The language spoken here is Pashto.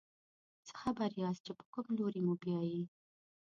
څه خبر یاست چې په کوم لوري موبیايي.